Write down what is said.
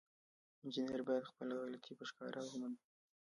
انجینر باید خپله غلطي په ښکاره ومني.